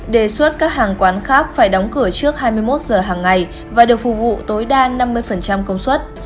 đề xuất các hàng quán khác phải đóng cửa trước hai mươi một giờ hàng ngày và được phục vụ tối đa năm mươi công suất